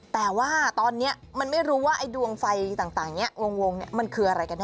แต่ว่าตอนนี้มันไม่รู้ว่าดวงไฟต่างเนี่ยวงเนี่ย